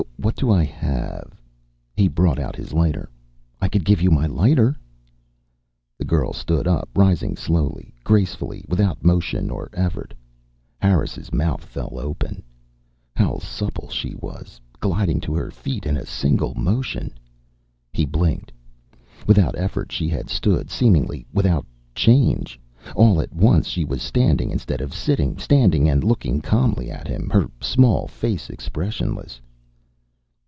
What do I have...." He brought out his lighter. "I could give you my lighter." The girl stood up, rising slowly, gracefully, without motion or effort. Harris' mouth fell open. How supple she was, gliding to her feet in a single motion! He blinked. Without effort she had stood, seemingly without change. All at once she was standing instead of sitting, standing and looking calmly at him, her small face expressionless.